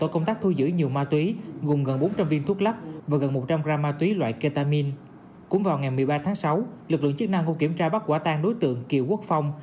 cũng vào ngày một mươi ba tháng sáu lực lượng chức năng không kiểm tra bắt quả tàn đối tượng kiều quốc phong